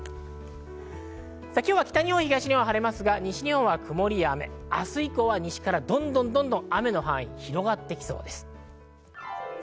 今日は北日本、東日本は晴れますが西日本は曇りや雨、明日以降は西からどんどんと雨の範囲が広がってきそうです。